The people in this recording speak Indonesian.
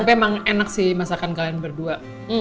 tapi emang enak sih masakan kalian berdua